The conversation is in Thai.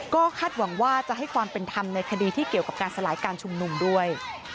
ก็คาดหวังว่าจะให้ความเป็นธรรมในคดีที่เกี่ยวกับการสลายการชุมนุมด้วย